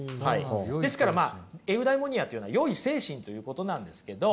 ですからまあエウダイモニアというのは善い精神ということなんですけど。